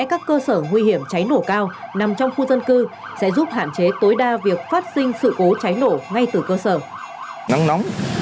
các cơ sở nguy hiểm cháy nổ cao nằm trong khu dân cư sẽ giúp hạn chế tối đa việc phát sinh sự cố cháy nổ ngay từ cơ sở nắng nóng